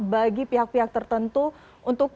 bagi pihak pihak tertentu untuk